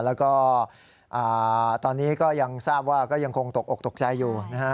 แล้วก็ตอนนี้ก็ยังทราบว่าก็ยังคงตกอกตกใจอยู่นะฮะ